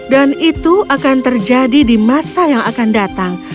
dan itu akan terjadi di masa yang akan datang